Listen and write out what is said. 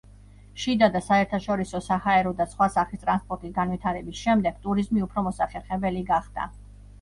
შიდა და საერთაშორისო საჰაერო და სხვა სახის ტრანსპორტის განვითარების შემდეგ ტურიზმი უფრო მოსახერხებელი გახდა.